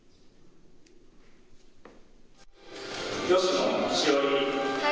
吉野詩織。